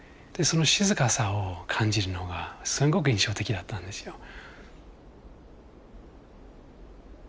でその静かさを感じるのがすごく印象的だったんですよ。